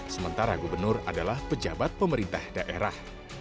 sementara gubernur adalah pejabat pemerintah daerah